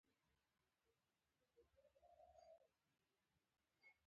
هماغه ګناه وه چې د طالبانو حاکمیت یې پای ته ورساوه.